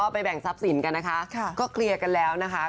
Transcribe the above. ไปแบ่งทรัพย์สินค่ะก็เคลียร์กันแล้ว